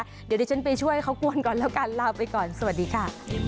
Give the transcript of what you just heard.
เดี๋ยวดิฉันไปช่วยเขากวนก่อนแล้วกันลาไปก่อนสวัสดีค่ะ